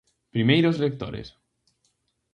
Primeiros lectores.